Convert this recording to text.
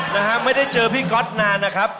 นะฮะไม่ได้เจอพี่ก๊อตนานนะครับ